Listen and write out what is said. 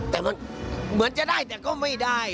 แต่มันเหมือนจะได้แต่ก็ไม่ได้